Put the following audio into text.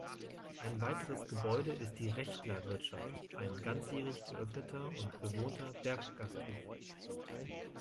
Ein weiteres Gebäude ist die „Rechtler“-Wirtschaft, ein ganzjährig geöffneter und bewohnter Berggasthof.